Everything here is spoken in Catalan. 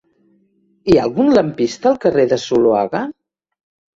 Hi ha algun lampista al carrer de Zuloaga?